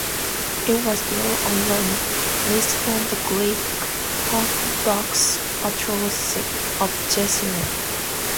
It was built on land leased from the Greek Orthodox Patriarchate of Jerusalem.